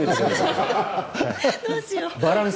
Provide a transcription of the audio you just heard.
どうしよう。